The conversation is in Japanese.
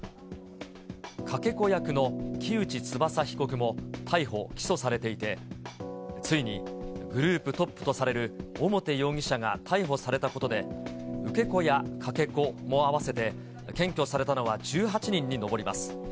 かけ子役の木内翼被告も逮捕・起訴されていて、ついにグループトップとされる表容疑者が逮捕されたことで、受け子やかけ子も合わせて検挙されたのは１８人に上ります。